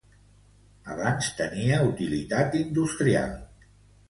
Abans tenia utilitat industrial.